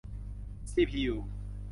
ซีพียู